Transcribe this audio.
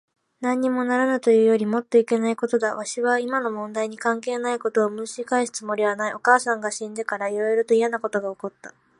なんにもならぬというよりもっといけないことだ。わしは今の問題に関係ないことをむし返すつもりはない。お母さんが死んでから、いろいろといやなことが起った。